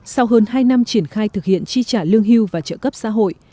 sau hơn hai năm triển khai thực hiện chi trả lương hưu và trợ cấp xã hội